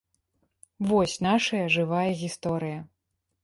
Вось нашая жывая гісторыя!